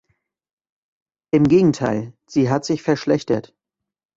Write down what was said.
Im Gegenteil, sie hat sich verschlechtert.